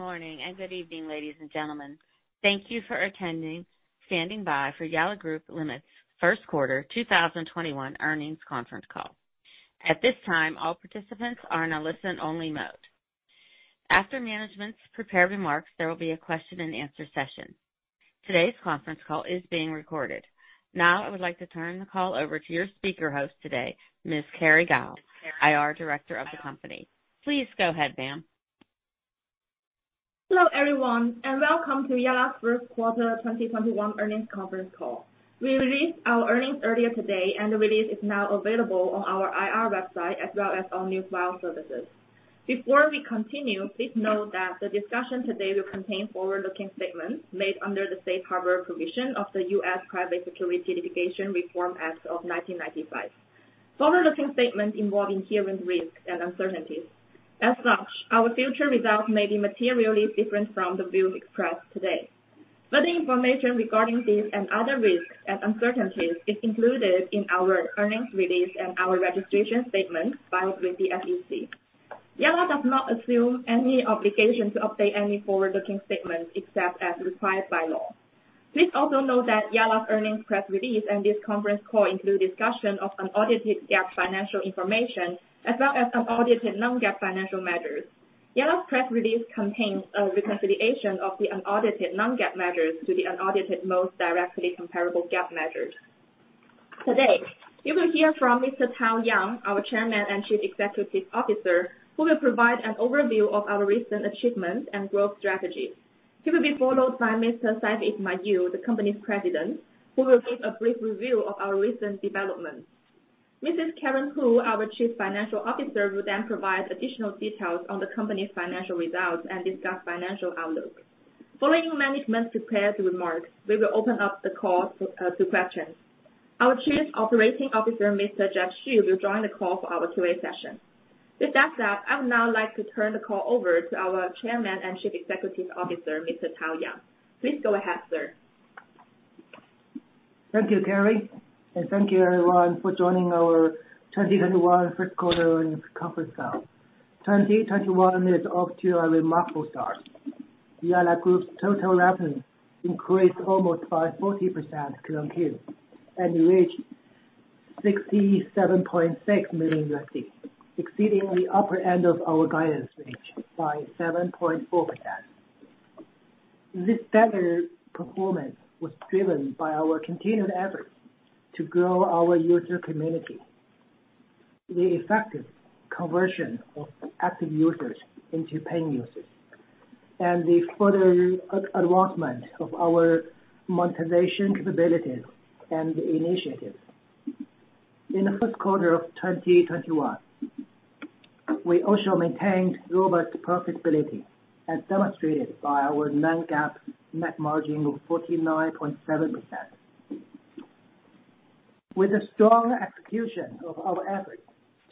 Good morning and good evening, ladies and gentlemen. Thank you for standing by for Yalla Group Limited's first quarter 2021 earnings conference call. At this time, all participants are in a listen-only mode. After management's prepared remarks, there will be a question and answer session. Today's conference call is being recorded. Now, I would like to turn the call over to your speaker host today, Ms. Kerry Gao, IR director of the company. Please go ahead, ma'am. Hello, everyone, and welcome to Yalla's first quarter 2021 earnings conference call. We released our earnings earlier today, and the release is now available on our IR website as well as all new file services. Before we continue, please note that the discussion today will contain forward-looking statements made under the Safe Harbor provision of the U.S. Private Securities Litigation Reform Act of 1995. Forward-looking statements involve inherent risks and uncertainties. As such, our future results may be materially different from the views expressed today. Further information regarding these and other risks and uncertainties is included in our earnings release and our registration statements filed with the SEC. Yalla does not assume any obligation to update any forward-looking statements except as required by law. Please also note that Yalla's earnings press release and this conference call include discussion of unaudited GAAP financial information, as well as unaudited non-GAAP financial measures. Yalla's press release contains a reconciliation of the unaudited non-GAAP measures to the unaudited most directly comparable GAAP measures. Today, you will hear from Mr. Tao Yang, our Chairman and Chief Executive Officer, who will provide an overview of our recent achievements and growth strategies. He will be followed by Mr. Saifi Ismail, the company's President, who will give a brief review of our recent developments. Mrs. Karen Hu, our Chief Financial Officer, will then provide additional details on the company's financial results and discuss financial outlook. Following management's prepared remarks, we will open up the call to questions. Our Chief Operating Officer, Mr. Jianfeng Xu, will join the call for our Q&A session. With that said, I would now like to turn the call over to our Chairman and Chief Executive Officer, Mr. Tao Yang. Please go ahead, sir. Thank you, Kerry, and thank you, everyone, for joining our 2021 first quarter earnings conference call. 2021 is off to a remarkable start. Yalla Group's total revenue increased almost by 40% quarter-over-quarter and reached $67.6 million, exceeding the upper end of our guidance range by 7.4%. This better performance was driven by our continued efforts to grow our user community, the effective conversion of active users into paying users, and the further advancement of our monetization capabilities and initiatives. In the first quarter of 2021, we also maintained robust profitability as demonstrated by our non-GAAP net margin of 49.7%. With the strong execution of our efforts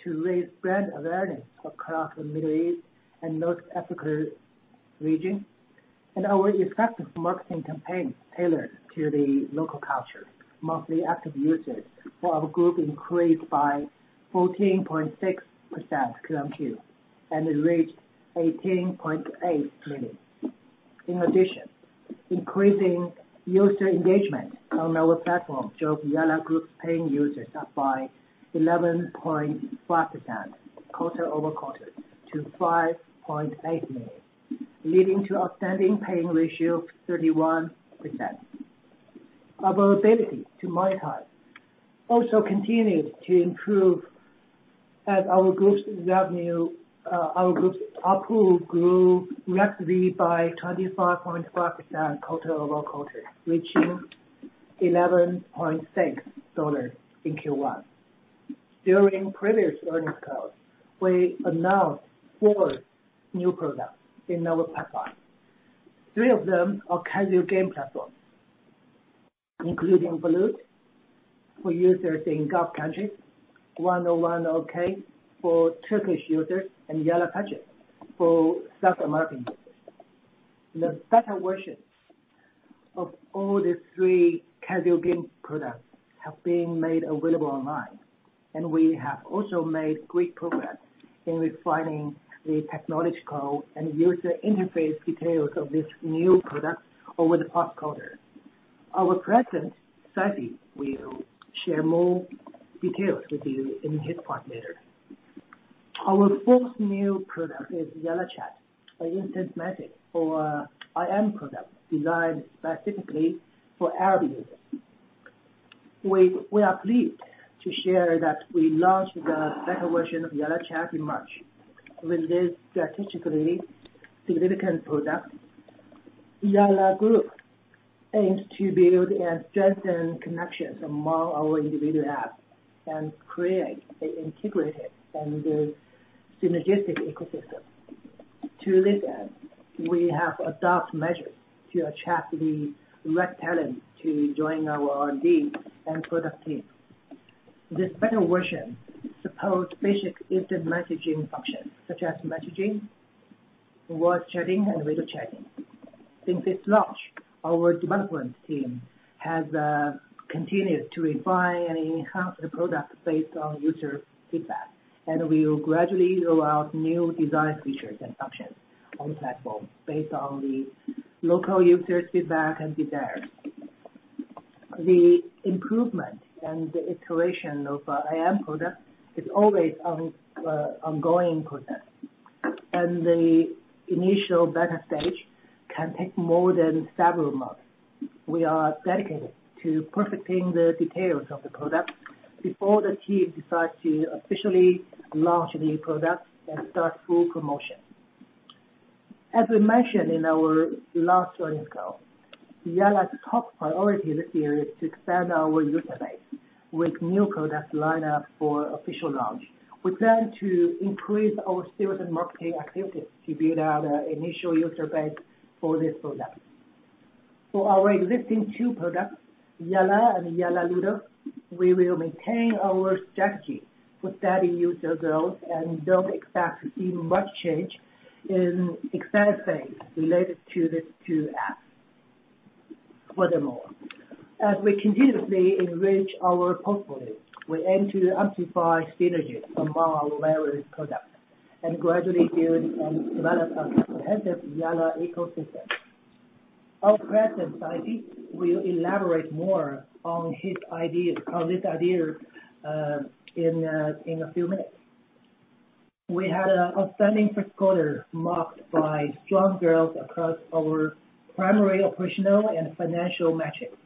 to raise brand awareness across the Middle East and North Africa region and our effective marketing campaigns tailored to the local culture, monthly active users for our group increased by 14.6% quarter-over-quarter and reached 18.8 million. In addition, increasing user engagement on our platform drove Yalla Group's paying users up by 11.5% quarter-over-quarter to 5.8 million, leading to outstanding paying ratio of 31%. Our ability to monetize also continued to improve as our group's ARPU grew rapidly by 25.5% quarter-over-quarter, reaching $11.6 in Q1. During previous earnings calls, we announced four new products in our pipeline. Three of them are casual game platforms, including Baloot for users in Gulf countries, 101 Okey for Turkish users, and Yalla Parchis for South American users. The beta versions of all these three casual game products have been made available online, and we have also made great progress in refining the technological and user interface details of these new products over the past quarter. Our President, Saifi, will share more details with you in his part later. Our fourth new product is Yalla Chat, an instant messaging or IM product designed specifically for Arabic users. We are pleased to share that we launched the beta version of Yalla Chat in March. With this strategically significant product, Yalla Group aims to build and strengthen connections among our individual apps and create an integrated and synergistic ecosystem. To this end, we have adopted measures to attract the right talent to join our R&D and product team. This beta version supports basic instant messaging functions such as messaging, voice chatting, and video chatting. Since its launch, our development team has continued to refine and enhance the product based on user feedback, and we will gradually roll out new design features and functions on the platform based on the local user feedback and desires. The improvement and the iteration of IM product is always an ongoing process, and the initial beta stage can take more than several months. We are dedicated to perfecting the details of the product before the team decides to officially launch the new product and start full promotion. As we mentioned in our last earnings call, Yalla's top priority this year is to expand our user base with new product lineup for official launch. We plan to increase our sales and marketing activities to build out an initial user base for this product. For our existing two products, Yalla and Yalla Ludo, we will maintain our strategy for steady user growth and don't expect much change in expansion phase related to these two apps. Furthermore, as we continuously enrich our portfolio, we aim to amplify synergies among our various products and gradually build and develop a competitive Yalla ecosystem. Our President, Saifi Ismail, will elaborate more on this idea in a few minutes. We had an outstanding first quarter marked by strong growth across our primary operational and financial metrics.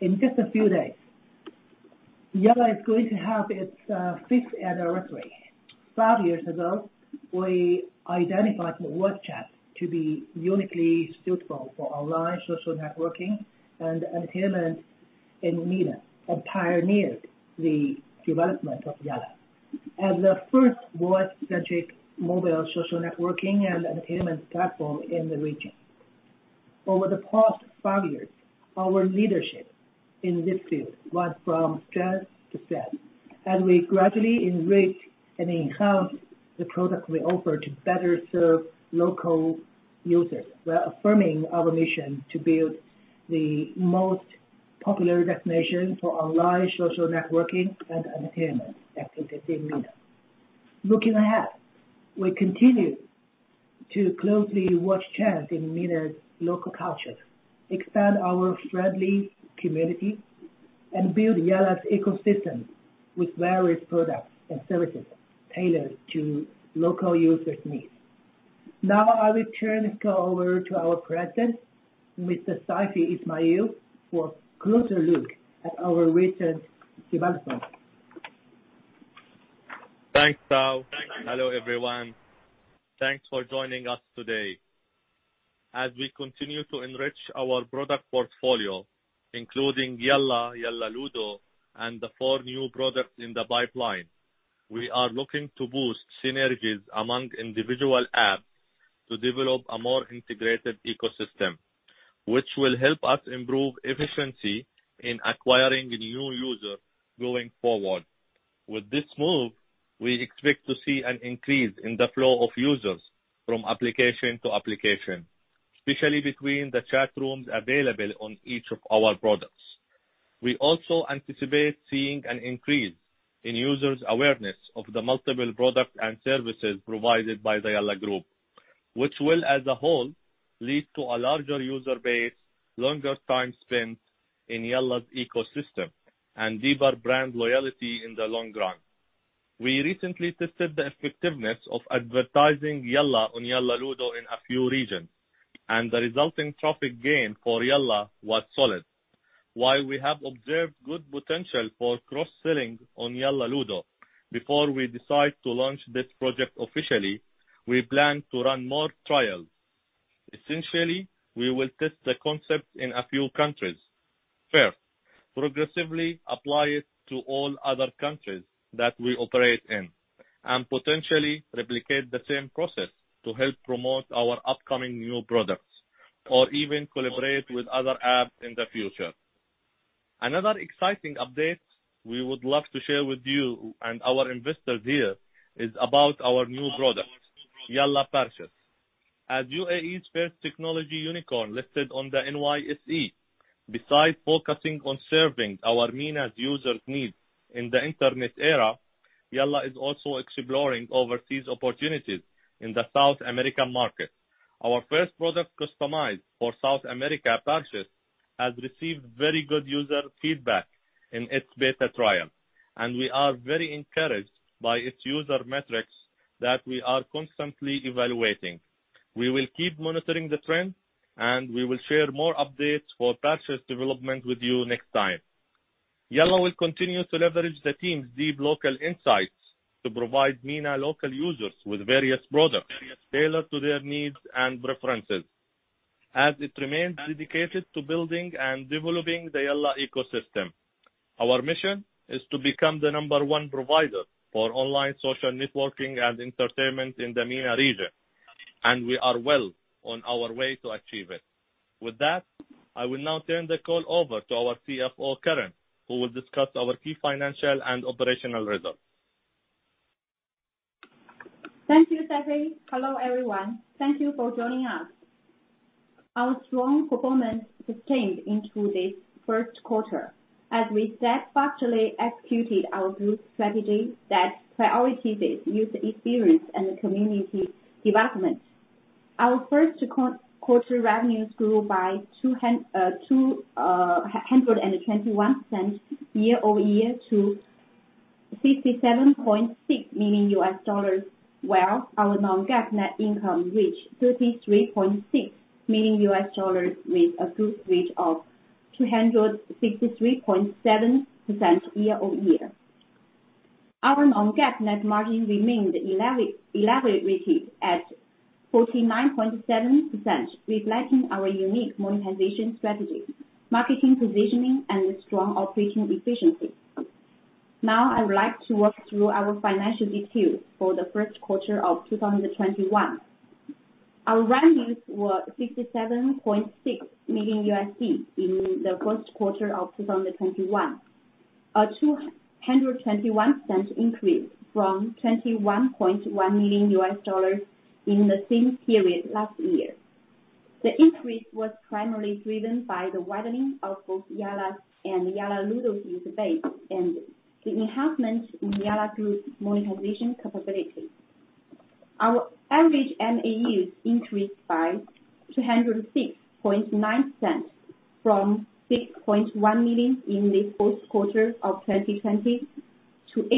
In just a few days, Yalla is going to have its fifth anniversary. Five years ago, we identified voice chat to be uniquely suitable for online social networking and entertainment in MENA, and pioneered the development of Yalla as the first voice-centric mobile social networking and entertainment platform in the region. Over the past five years, our leadership in this field went from strength to strength as we gradually enrich and enhance the product we offer to better serve local users, while affirming our mission to build the most popular destination for online social networking and entertainment activities in MENA. Looking ahead, we continue to closely watch trends in MENA's local culture, expand our friendly community, and build Yalla's ecosystem with various products and services tailored to local users' needs. Now, I will turn the call over to our President, Mr. Saifi Ismail, for a closer look at our recent developments. Thanks, Tao. Hello, everyone. Thanks for joining us today. As we continue to enrich our product portfolio, including Yalla Ludo, and the four new products in the pipeline, we are looking to boost synergies among individual apps to develop a more integrated ecosystem, which will help us improve efficiency in acquiring new users going forward. With this move, we expect to see an increase in the flow of users from application to application, especially between the chat rooms available on each of our products. We also anticipate seeing an increase in users' awareness of the multiple products and services provided by the Yalla Group, which will, as a whole, lead to a larger user base, longer time spent in Yalla's ecosystem, and deeper brand loyalty in the long run. We recently tested the effectiveness of advertising Yalla on Yalla Ludo in a few regions, and the resulting traffic gain for Yalla was solid. While we have observed good potential for cross-selling on Yalla Ludo, before we decide to launch this project officially, we plan to run more trials. Essentially, we will test the concept in a few countries first, progressively apply it to all other countries that we operate in, and potentially replicate the same process to help promote our upcoming new products or even collaborate with other apps in the future. Another exciting update we would love to share with you and our investors here is about our new product, Yalla Parchis. As UAE's first technology unicorn listed on the NYSE, besides focusing on serving our MENA users' needs in the internet era, Yalla is also exploring overseas opportunities in the South American market. Our first product customized for South America, Parchis, has received very good user feedback in its beta trial, and we are very encouraged by its user metrics that we are constantly evaluating. We will keep monitoring the trend, and we will share more updates for Parchis development with you next time. Yalla will continue to leverage the team's deep local insights to provide MENA local users with various products tailored to their needs and preferences, as it remains dedicated to building and developing the Yalla ecosystem. Our mission is to become the number one provider for online social networking and entertainment in the MENA region, and we are well on our way to achieve it. With that, I will now turn the call over to our CFO, Karen, who will discuss our key financial and operational results. Thank you, Saifi Ismail. Hello, everyone. Thank you for joining us. Our strong performance sustained into this first quarter, as we steadfastly executed our Group's strategy that prioritizes user experience and community development. Our first quarter revenues grew by 221% year-over-year to $67.6 million, while our non-GAAP net income reached $33.6 million, with a good rate of 263.7% year-over-year. Our non-GAAP net margin remained elevated at 49.7%, reflecting our unique monetization strategy, marketing positioning, and strong operating efficiency. I would like to walk through our financial details for the first quarter of 2021. Our revenues were $67.6 million in the first quarter of 2021, a 221% increase from $21.1 million in the same period last year. The increase was primarily driven by the widening of both Yalla's and Yalla Ludo's user base and the enhancement in Yalla Group's monetization capability. Our average MAUs increased by 206.9%, from 6.1 million in the fourth quarter of 2020 to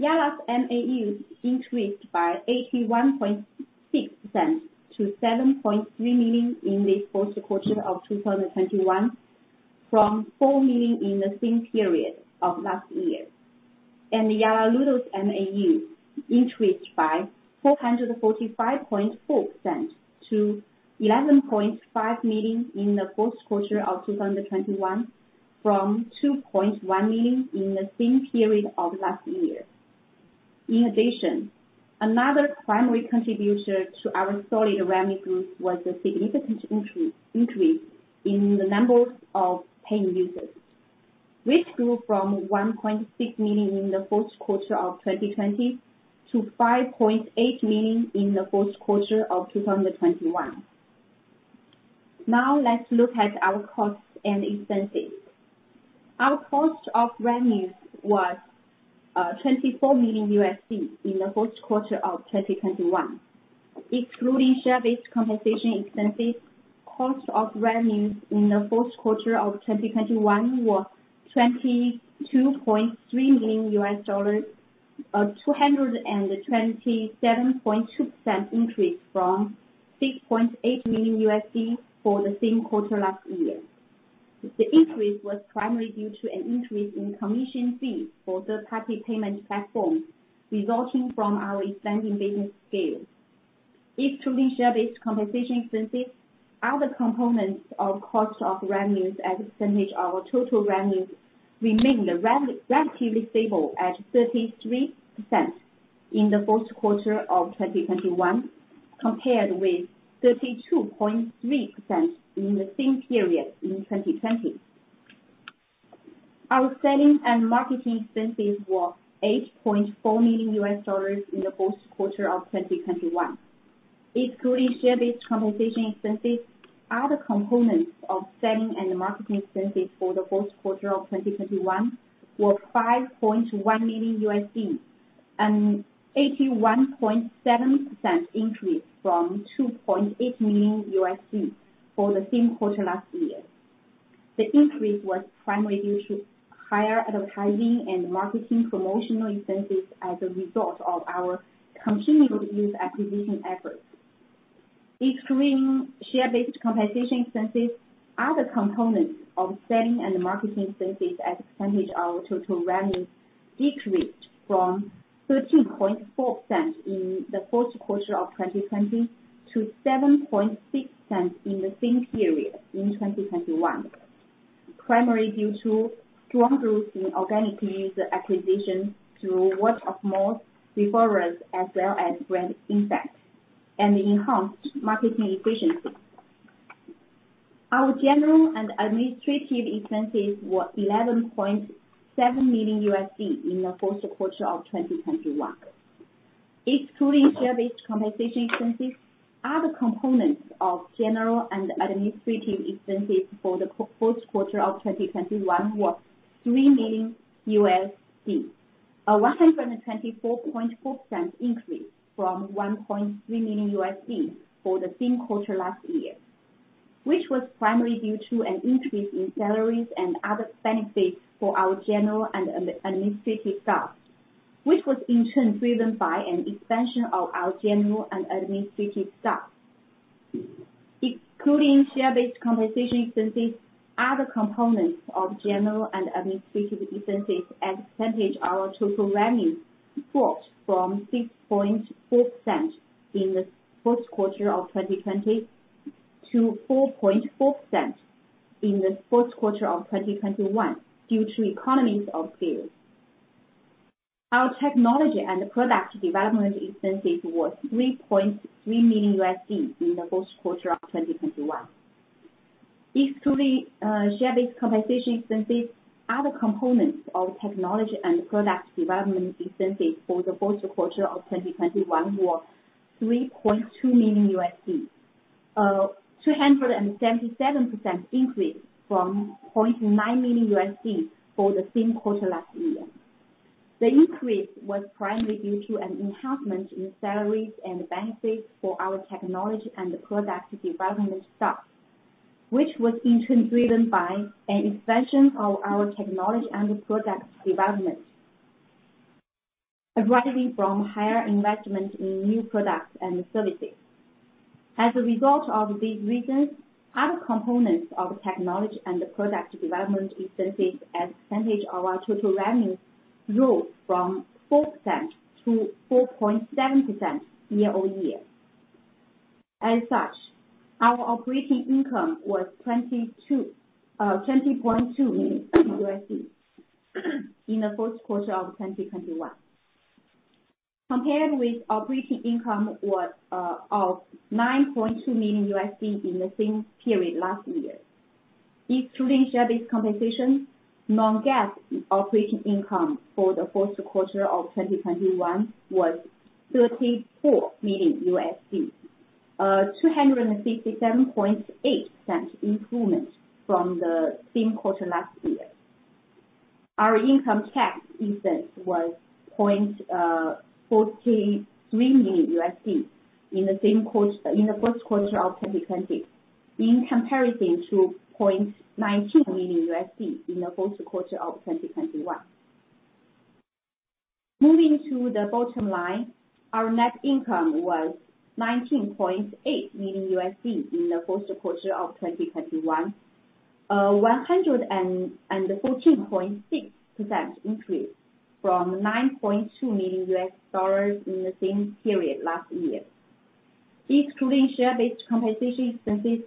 18.8 million in the first quarter of 2021. Yalla's MAUs increased by 81.6% to $7.3 million in the fourth quarter of 2021 from $4 million in the same period of last year. Yalla Ludo's MAUs increased by 445.4% to $11.5 million in the fourth quarter of 2021 from $2.1 million in the same period of last year. In addition, another primary contributor to our solid revenue growth was the significant increase in the number of paying users, which grew from $1.6 million in the fourth quarter of 2020 to $5.8 million in the fourth quarter of 2021. Now, let's look at our costs and expenses. Our cost of revenues was $24 million in the fourth quarter of 2021. Excluding share-based compensation expenses, cost of revenues in the fourth quarter of 2021 were $22.3 million, a 227.2% increase from $6.8 million for the same quarter last year. The increase was primarily due to an increase in commission fees for third-party payment platforms resulting from our expanding business scale. Excluding share-based compensation expenses, other components of cost of revenues as a percentage of our total revenues remained relatively stable at 33% in the fourth quarter of 2021, compared with 32.3% in the same period in 2020. Our selling and marketing expenses were $8.4 million in the fourth quarter of 2021, excluding share-based compensation expenses. Other components of selling and marketing expenses for the fourth quarter of 2021 were $5.1 million, an 81.7% increase from $2.8 million for the same quarter last year. The increase was primarily due to higher advertising and marketing promotional expenses as a result of our continual user acquisition efforts. Excluding share-based compensation expenses, other components of selling and marketing expenses as a percentage of total revenues decreased from 13.4% in the fourth quarter of 2020 to 7.6% in the same period in 2021, primarily due to strong growth in organic user acquisition through Word of Mouth, referrals, as well as brand impact, and enhanced marketing efficiency. Our general and administrative expenses were $11.7 million in the fourth quarter of 2021. Excluding share-based compensation expenses, other components of general and administrative expenses for the fourth quarter of 2021 were $3 million, a 124.4% increase from $1.3 million for the same quarter last year, which was primarily due to an increase in salaries and other benefits for our general and administrative staff, which was in turn driven by an expansion of our general and administrative staff. Excluding share-based compensation expenses, other components of general and administrative expenses as a percentage of our total revenues dropped from 6.4% in the fourth quarter of 2020 to 4.4% in the fourth quarter of 2021 due to economies of scale. Our technology and product development expenses were $3.3 million in the first quarter of 2021. Excluding share-based compensation expenses, other components of technology and product development expenses for the fourth quarter of 2021 were $3.2 million, a 277% increase from $0.9 million for the same quarter last year. The increase was primarily due to an enhancement in salaries and benefits for our technology and product development staff, which was in turn driven by an expansion of our technology and product development, arising from higher investment in new products and services. As a result of these reasons, other components of technology and product development expenses as a percentage of our total revenues rose from 4% to 4.7% year-over-year. Our operating income was $20.2 million in the first quarter of 2021, compared with operating income of $9.2 million in the same period last year. Excluding share-based compensation, non-GAAP operating income for the first quarter of 2021 was $34 million, a 257.8% improvement from the same quarter last year. Our income tax expense was $0.43 million in the first quarter of 2020, in comparison to $0.19 million in the fourth quarter of 2021. Moving to the bottom line, our net income was $19.8 million in the first quarter of 2021, a 114.6% increase from $9.2 million in the same period last year. Excluding share-based compensation expenses,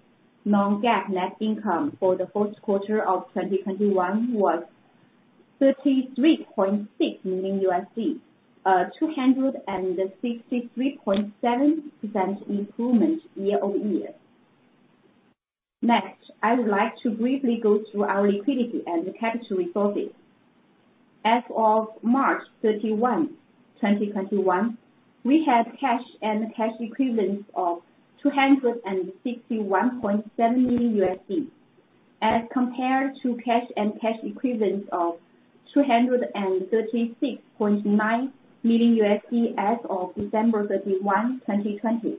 non-GAAP net income for the fourth quarter of 2021 was $33.6 million, a 263.7% improvement year-over-year. Next, I would like to briefly go through our liquidity and capital resources. As of March 31st, 2021, we had cash and cash equivalents of $261.7 million as compared to cash and cash equivalents of $236.9 million as of December 31st, 2020.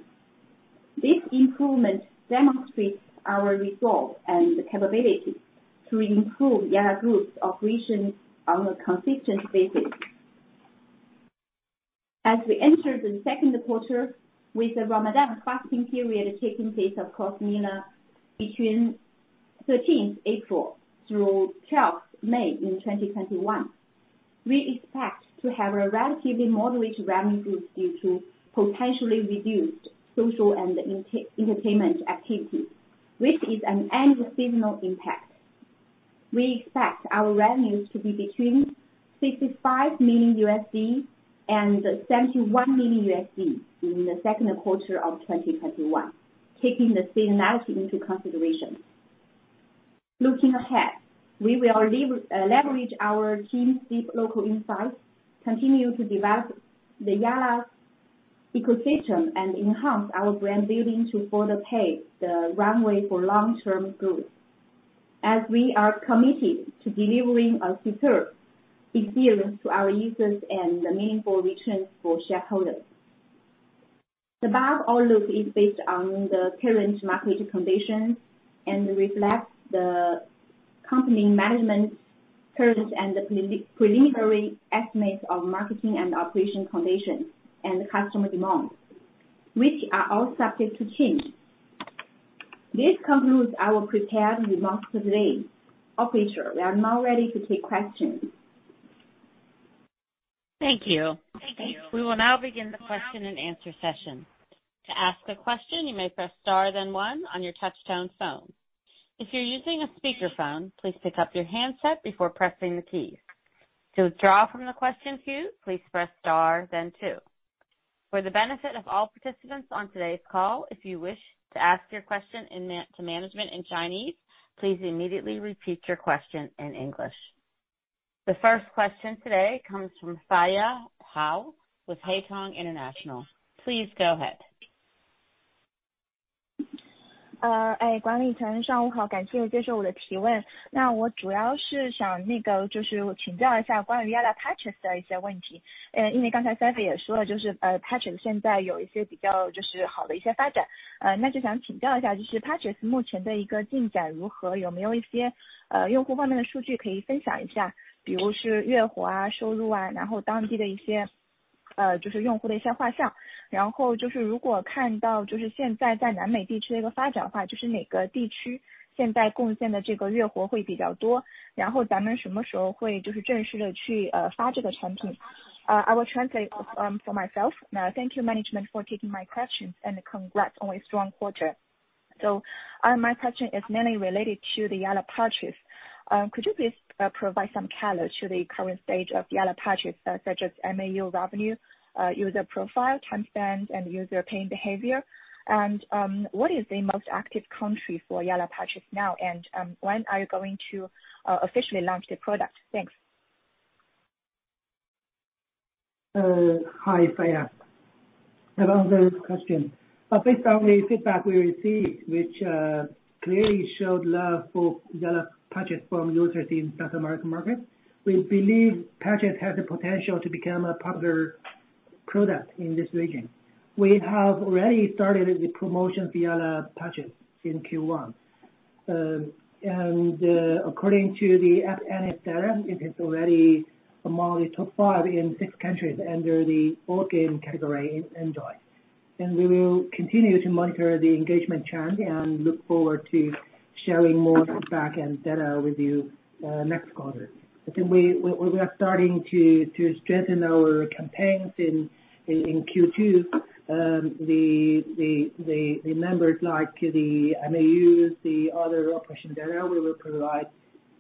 This improvement demonstrates our resolve and the capability to improve Yalla Group's operations on a consistent basis. As we enter the second quarter with the Ramadan fasting period taking place across MENA between 13th April through 12th May in 2021, we expect to have a relatively moderate revenue growth due to potentially reduced social and entertainment activities, which is an annual seasonal impact. We expect our revenues to be between $65 million and $71 million in the second quarter of 2021, taking the seasonality into consideration. Looking ahead, we will leverage our team's deep local insights, continue to develop the Yalla ecosystem, and enhance our brand building to further pave the runway for long-term growth, as we are committed to delivering a secure experience to our users and meaningful returns for shareholders. The above outlook is based on the current market conditions and reflects the company management's current and preliminary estimates of marketing and operation conditions and customer demands, which are all subject to change. This concludes our prepared remarks for today. Operator, we are now ready to take questions. Thank you. We will now begin the question and answer session. To ask a question, you may press star then one on your touchtone phone. If you're using a speakerphone, please pick up your handset before pressing any keys. To withdraw from the question queue, please press star then two. For the benefit of all participants on today's call, if you wish to ask your question to management in Chinese, please immediately repeat your question in English. The first question today comes from Feiya Zhao with Haitong International. Please go ahead. I will translate for myself. Thank you management for taking my questions. Congrats on a strong quarter. My question is mainly related to the Yalla Parchis. Could you please provide some color to the current stage of Yalla Parchis, such as MAU revenue, user profile, time spent, and user paying behavior? What is the most active country for Yalla Parchis now? When are you going to officially launch the product? Thanks. Hi, Feiya. I'll answer this question. Based on the feedback we received, which clearly showed love for Yalla Parchis from users in South American markets, we believe Parchis has the potential to become a popular product in this region. We have already started the promotion Yalla Parchis in Q1. According to the App Annie data, it is already among the top five in six countries under the board game category in Android. We will continue to monitor the engagement trend and look forward to sharing more feedback and data with you next quarter. We are starting to strengthen our campaigns in Q2. The numbers like the MAUs, the other operation data we will provide,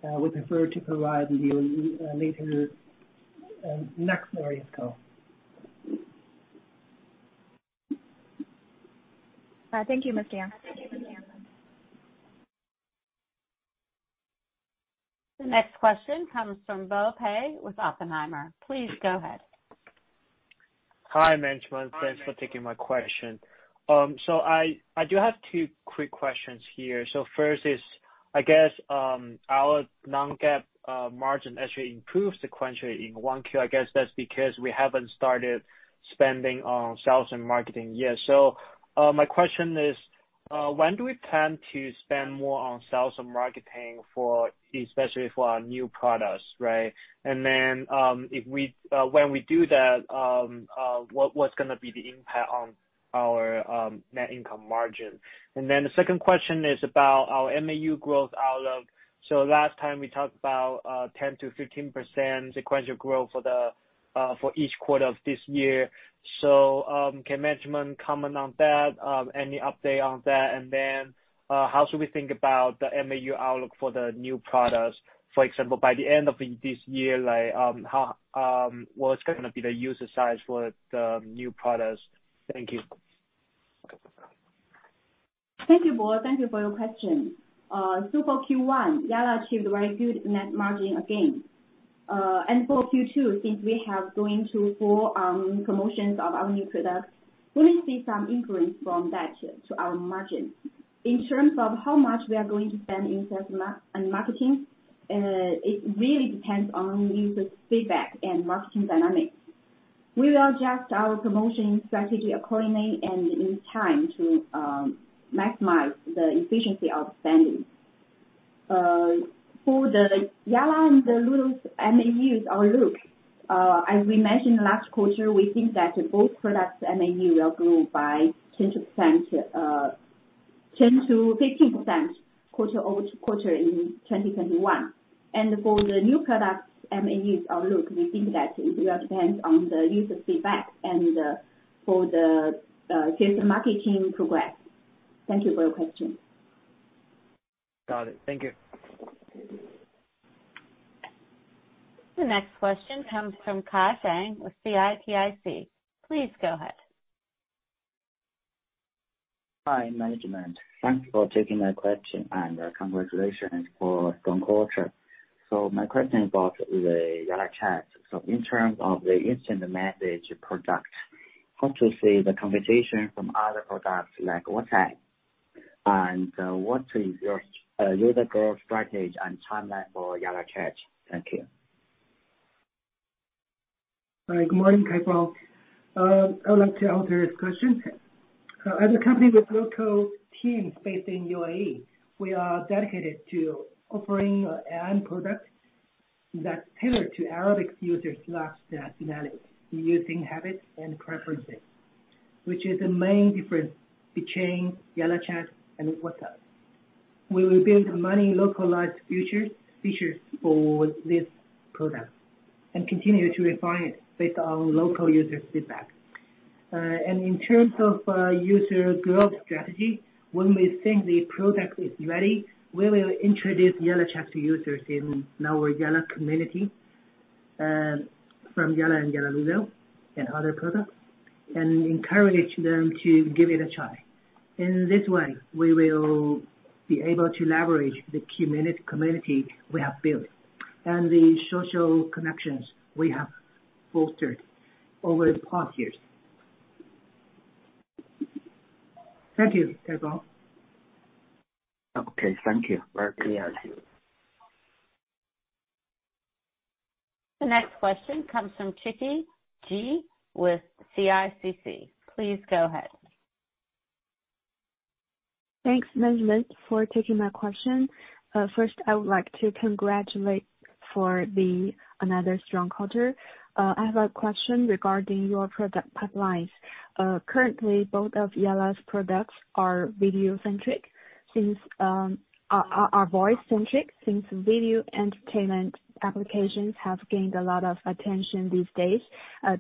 we prefer to provide you later, next earnings call. Thank you, Mr. Yang. The next question comes from Bo Pei with Oppenheimer. Please go ahead. Hi, management. Thanks for taking my question. I do have two quick questions here. First is, I guess, our non-GAAP margin actually improved sequentially in one Q. I guess that's because we haven't started spending on sales and marketing yet. My question is, when do we plan to spend more on sales and marketing, especially for our new products, right? When we do that, what's going to be the impact on our net income margin? The second question is about our MAU growth outlook. Last time we talked about 10%-15% sequential growth for each quarter of this year. Can management comment on that? Any update on that? How should we think about the MAU outlook for the new products? For example, by the end of this year, what's going to be the user size for the new products? Thank you. Thank you, Bo Pei. Thank you for your question. For Q1, Yalla achieved very good net margin again. For Q2, since we are going to roll out promotions of our new products, we'll see some increase from that to our margins. In terms of how much we are going to spend in sales and marketing, it really depends on user feedback and marketing dynamics. We will adjust our promotion strategy accordingly and in time to maximize the efficiency of spending. For the Yalla and the Ludo MAUs outlook, as we mentioned last quarter, we think that both products MAU will grow by 10%-15% quarter-over-quarter in 2021. For the new products MAUs outlook, we think that it will depend on the user feedback and for the sales and marketing progress. Thank you for your question. Got it. Thank you. The next question comes from Kaifang Jia with CITIC. Please go ahead. Hi, management. Thank you for taking my question, and congratulations for a strong quarter. My question is about the YallaChat. In terms of the instant message product, how do you see the competition from other products like WhatsApp? What is your user growth strategy and timeline for YallaChat? Thank you. Good morning, Kaifang. I would like to answer this question. As a company with local teams based in UAE, we are dedicated to offering an product that's tailored to Arabic users' lifestyles, using habits, and preferences, which is the main difference between YallaChat and WhatsApp. We will build many localized features for this product and continue to refine it based on local user feedback. In terms of user growth strategy, when we think the product is ready, we will introduce YallaChat to users in our Yalla community, from Yalla and Yalla Ludo and other products, and encourage them to give it a try. In this way, we will be able to leverage the community we have built and the social connections we have fostered over the past years. Thank you, Kaipeng. Okay. Thank you. Very clear, too. The next question comes from Xueqing Zhang with CICC. Please go ahead. Thanks, management, for taking my question. First, I would like to congratulate for another strong quarter. I have a question regarding your product pipelines. Currently, both of Yalla's products are video-centric since are voice-centric, since video entertainment applications have gained a lot of attention these days,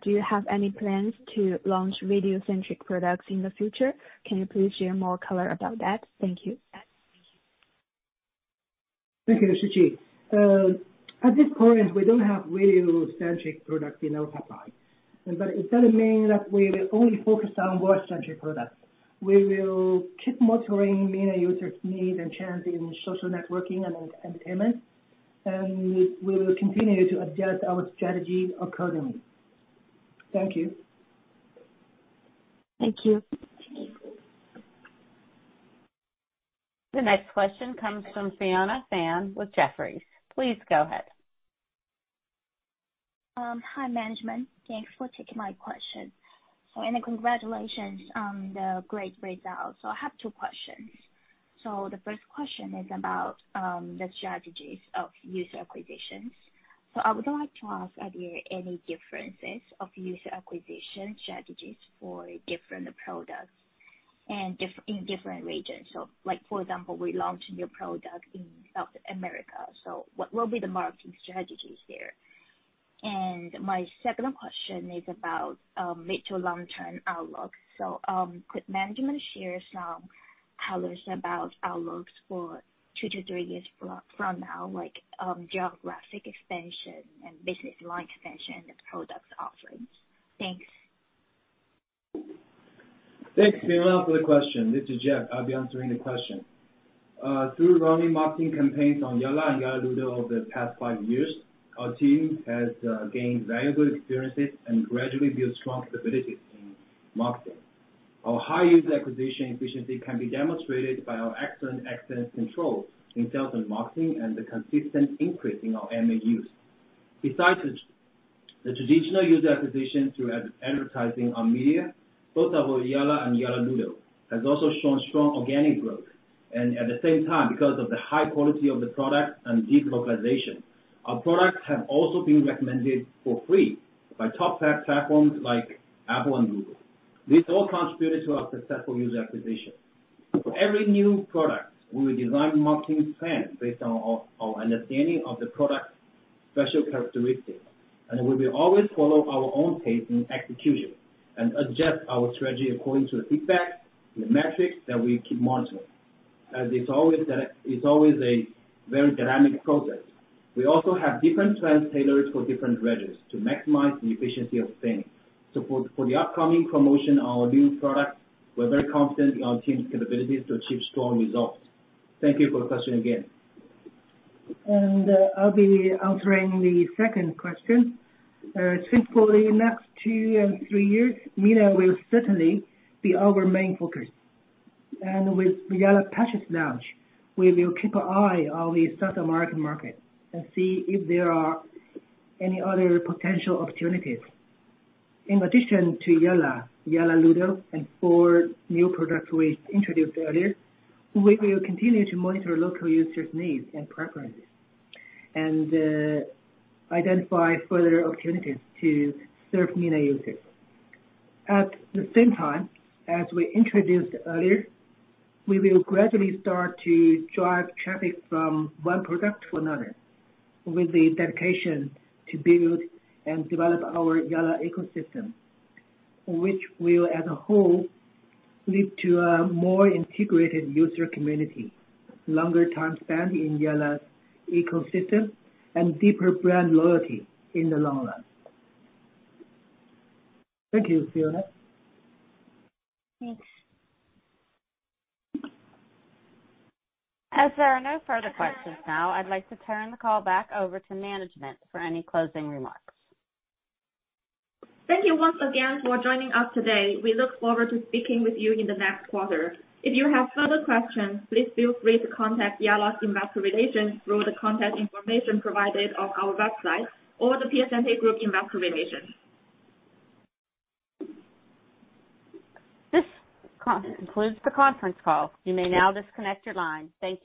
do you have any plans to launch video-centric products in the future? Can you please share more color about that? Thank you. Thank you, Xueqing. At this point, we don't have video-centric products in our pipeline. It doesn't mean that we will only focus on voice-centric products. We will keep monitoring MENA users' needs and trends in social networking and entertainment. We will continue to adjust our strategy accordingly. Thank you. Thank you. The next question comes from Fiona Shang with Jefferies. Please go ahead. Hi, management. Thanks for taking my question. Congratulations on the great results. I have two questions. The first question is about the strategies of user acquisitions. I would like to ask, are there any differences of user acquisition strategies for different products in different regions? For example, we launch a new product in South America, so what will be the marketing strategies there? My second question is about mid to long term outlook. Could management share some colors about outlooks for two to three years from now, like geographic expansion and business line expansion and product offerings? Thanks. Thanks, Fiona Shang, for the question. This is Jianfeng I'll be answering the question. Through running marketing campaigns on Yalla and Yalla Ludo over the past five years, our team has gained valuable experiences and gradually built strong capabilities in marketing. Our high user acquisition efficiency can be demonstrated by our excellent control in sales and marketing and the consistent increase in our MAUs. Besides the traditional user acquisition through advertising on media, both our Yalla and Yalla Ludo has also shown strong organic growth. At the same time, because of the high quality of the product and deep localization, our products have also been recommended for free by top platforms like Apple and Google. This all contributed to our successful user acquisition. For every new product, we will design marketing plans based on our understanding of the product's special characteristics. We will always follow our own pace in execution and adjust our strategy according to the feedback and the metrics that we keep monitoring, as it's always a very dynamic process. We also have different plans tailored for different regions to maximize the efficiency of things. For the upcoming promotion of our new product, we're very confident in our team's capabilities to achieve strong results. Thank you for the question again. I'll be answering the second question. Since for the next two and three years, MENA will certainly be our main focus. With the Yalla Parchis launch, we will keep an eye on the South American market and see if there are any other potential opportunities. In addition to Yalla Ludo, and four new products we introduced earlier, we will continue to monitor local users' needs and preferences and identify further opportunities to serve MENA users. At the same time, as we introduced earlier, we will gradually start to drive traffic from one product to another, with the dedication to build and develop our Yalla ecosystem, which will, as a whole, lead to a more integrated user community, longer time spent in Yalla's ecosystem, and deeper brand loyalty in the long run. Thank you, Fiona. Thanks. As there are no further questions now, I'd like to turn the call back over to management for any closing remarks. Thank you once again for joining us today. We look forward to speaking with you in the next quarter. If you have further questions, please feel free to contact Yalla's investor relations through the contact information provided on our website or The Piacente Group, ñInc. investor relations. This concludes the conference call. You may now disconnect your line. Thank you.